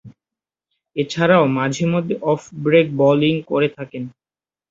এছাড়াও মাঝে-মধ্যে off break bowling করে থাকেন।